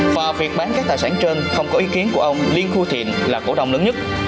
và việc bán các tài sản trên không có ý kiến của ông liên khu thiện là cổ đông lớn nhất